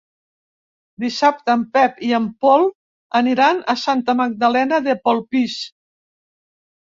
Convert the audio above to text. Dissabte en Pep i en Pol aniran a Santa Magdalena de Polpís.